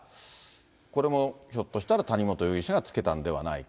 これもひょっとしたら谷本容疑者がつけたんではないか。